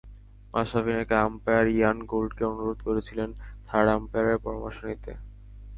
মাশরাফি নাকি umpire Ian গোল্ডকে অনুরোধ করেছিলেন থার্ড আম্পায়ারের পরামর্শ নিতে।